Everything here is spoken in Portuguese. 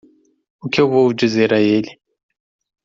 O que eu vou dizer a ele?